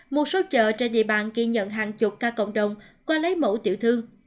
một số chợ trên địa bàn ghi nhận hàng chục ca cộng đồng qua lấy mẫu tiểu thương